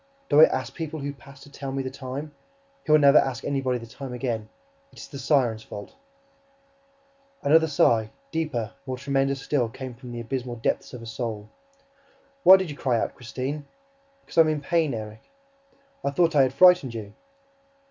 Do I ask people who pass to tell me the time? He will never ask anybody the time again! It is the siren's fault." [Illustration: two page color illustration] Another sigh, deeper, more tremendous still, came from the abysmal depths of a soul. "Why did you cry out, Christine?" "Because I am in pain, Erik." "I thought I had frightened you."